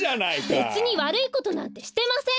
べつにわるいことなんてしてません！